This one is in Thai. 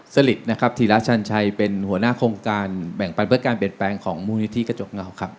สลิดนะครับธีรัชันชัยเป็นหัวหน้าโครงการแบ่งปันเพื่อการเปลี่ยนแปลงของมูลนิธิกระจกเงาครับ